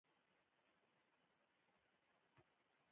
سترګې د خوښۍ ښکارندویي کوي